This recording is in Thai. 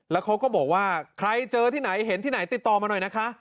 แล้วเขาก็บอกว่าใครเจอที่ไหนเห็นที่ไหนติดต่อมาหน่อยนะคะ